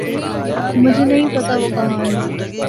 مجھے نہیں پتا وہ کہاں ہے